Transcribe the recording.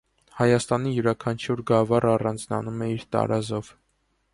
Հայաստանի յուրաքանչյուր գավառ առանձնանում է իր տարազով։